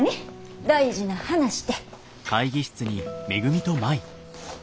大事な話て。